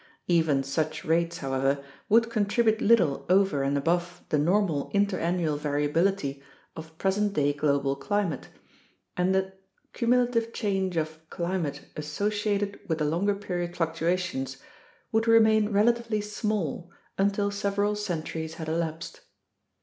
Even such rates, however, would contribute little over and above the normal interannual variability of present day global climate, and the cumulative change of climate associated with the longer period fluctua tions would remain relatively small until several centuries had elapsed.